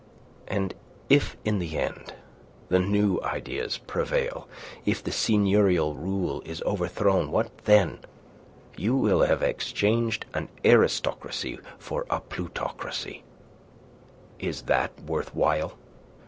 And if in the end the new ideas prevail? if the seigneurial rule is overthrown, what then? You will have exchanged an aristocracy for a plutocracy. Is that worth while?